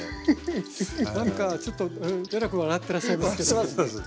なんかちょっとえらく笑ってらっしゃいますけども。